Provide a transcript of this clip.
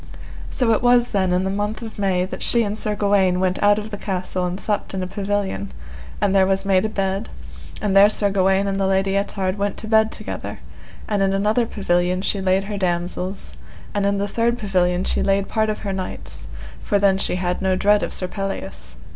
So it was then in the month of May that she and Sir Gawaine went out of the castle and supped in a pavilion, and there was made a bed, and there Sir Gawaine and the Lady Ettard went to bed together, and in another pavilion she laid her damosels, and in the third pavilion she laid part of her knights, for then she had no dread of Sir Pelleas.